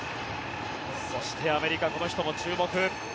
そしてアメリカ、この人も注目。